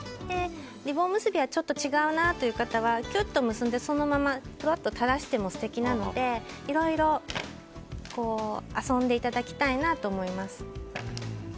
リボン結びはちょっと違うなという方はきゅっと結んで、そのままふわっと垂らしても素敵なのでいろいろ遊んでいただきたいなと思います。